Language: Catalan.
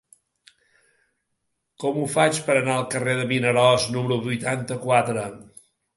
Com ho faig per anar al carrer de Vinaròs número vuitanta-quatre?